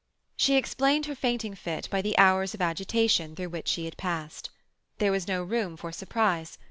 She explained her fainting fit by the hours of agitation through which she had passed. There was no room for surprise.